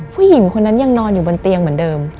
ผู้หญิงคนนั้นยังนอนอยู่บนเตียงเหมือนเดิม